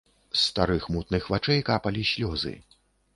З старых мутных вачэй капалі слёзы.